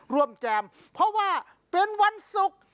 แจมเพราะว่าเป็นวันศุกร์